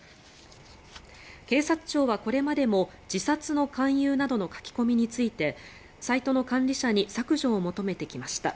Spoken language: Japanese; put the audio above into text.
警察庁はこれまでも自殺の勧誘などの書き込みについてサイトの管理者に削除を求めてきました。